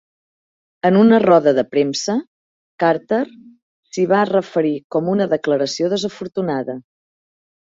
En una roda de premsa, Carter s'hi va referir com una "declaració desafortunada".